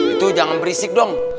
itu jangan berisik dong